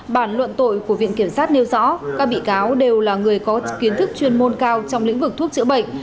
bản luận tội của viện kiểm sát nêu rõ các bị cáo đều là người có kiến thức chuyên môn cao trong lĩnh vực thuốc chữa bệnh